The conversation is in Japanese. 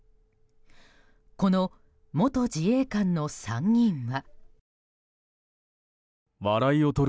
この元自衛官の３人は。